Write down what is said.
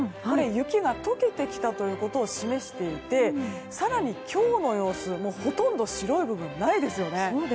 雪が解けてきたということを示していて更に今日の様子ほとんど白い部分がないですよね。